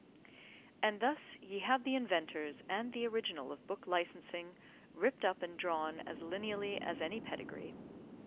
And thus ye have the inventors and the original of book licensing ripped up and drawn as lineally as any pedigree.